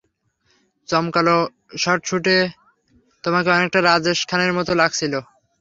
চমকানো স্যট-বুটে তোমাকে অনেকটা রাজেশ খান্নার মতো লাগতেছিলো।